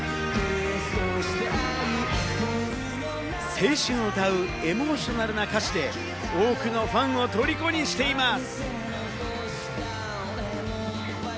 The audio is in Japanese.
青春を歌うエモーショナルな歌詞で、多くのファンをとりこにしています。